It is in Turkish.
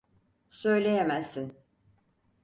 Söyleyemezsin.